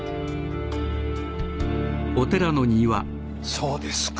そうですか。